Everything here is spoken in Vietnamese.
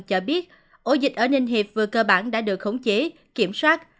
cho biết ổ dịch ở ninh hiệp vừa cơ bản đã được khống chế kiểm soát